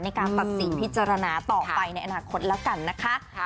ในการตัดสินพิจารณาต่อไปในอนาคตแล้วกันนะคะ